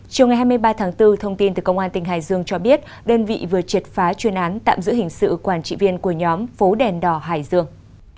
chiều ngày hai mươi ba tháng bốn thông tin từ công an tỉnh hải dương cho biết đơn vị vừa triệt phá chuyên án tạm giữ hình sự quản trị viên của nhóm phố đèn đỏ hải dương